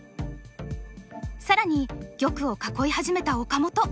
更に玉を囲い始めた岡本！